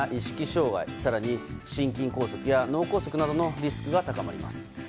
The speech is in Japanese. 障害更に、心筋梗塞や脳梗塞などのリスクが高まります。